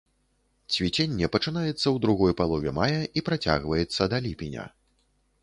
Цвіценне пачынаецца ў другой палове мая і працягваецца да ліпеня.